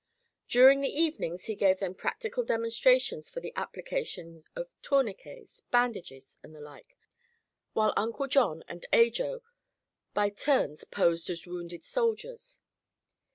During the evenings he gave them practical demonstrations of the application of tourniquets, bandages and the like, while Uncle John and Ajo by turns posed as wounded soldiers.